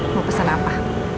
mau pesen apa